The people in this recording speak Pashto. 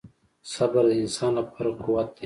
• صبر د انسان لپاره قوت دی.